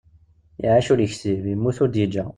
Iεac ur yeksib, yemmut ur d-yeǧǧa.